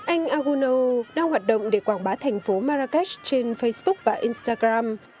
anh aguno đang hoạt động để quảng bá thành phố marrakesh trên facebook và instagram